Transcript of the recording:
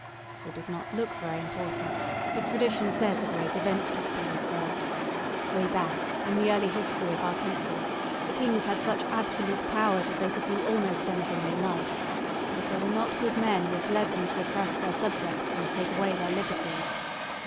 "It does not look very important, but tradition says a great event took place there. Way back in the early history of our country the kings had such absolute power that they could do almost anything they liked, and if they were not good men this led them to oppress their subjects and take away their liberties.